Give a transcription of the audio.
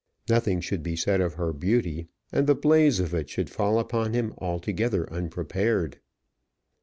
Nothing should be said of her beauty, and the blaze of it should fall upon him altogether unprepared.